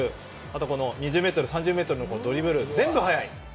あとは２０ｍ、３０ｍのドリブル全部速い！